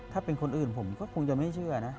ถ้าเป็นคนอื่นผมก็คงจะไม่เชื่อนะ